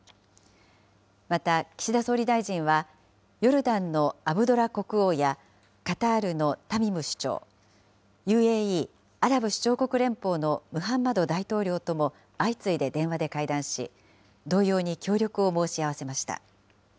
また岸田総理大臣は、ヨルダンのアブドラ国王や、カタールのタミム首長、ＵＡＥ・アラブ首長国連邦のムハンマド大統領とも相次いで電話で会談し、同様に協力を申し合わせました。